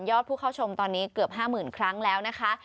ผู้เข้าชมตอนนี้เกือบ๕๐๐๐ครั้งแล้วนะคะ